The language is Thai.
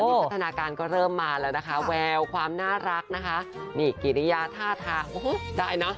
นี่พัฒนาการก็เริ่มมาแล้วนะคะแววความน่ารักนะคะนี่กิริยาท่าทางได้เนอะ